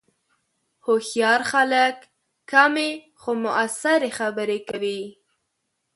هوښیار خلک کمې، خو مؤثرې خبرې کوي